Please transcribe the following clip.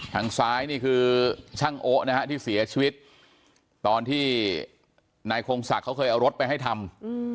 ทางซ้ายนี่คือช่างโอ๊ะนะฮะที่เสียชีวิตตอนที่นายคงศักดิ์เขาเคยเอารถไปให้ทำ